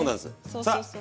そうそうそう。